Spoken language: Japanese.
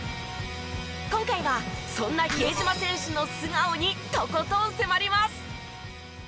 今回はそんな比江島選手の素顔にとことん迫ります！